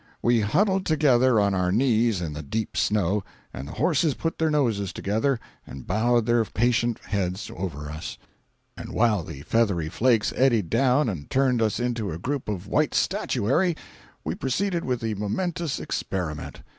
We huddled together on our knees in the deep snow, and the horses put their noses together and bowed their patient heads over us; and while the feathery flakes eddied down and turned us into a group of white statuary, we proceeded with the momentous experiment.